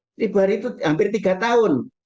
seribu hari itu hampir tiga tahun